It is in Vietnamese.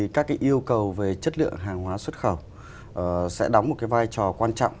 các yêu cầu về chất lượng hàng hóa xuất khẩu sẽ đóng một vai trò quan trọng